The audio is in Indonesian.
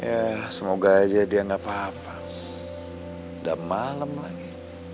hai ya semoga aja dia enggak papa hai udah malem lagi